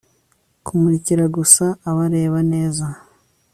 kumurikira gusa abareba neza